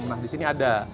nah disini ada